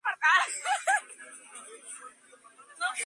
Por detrás, en la línea media, se fija la apófisis espinosa.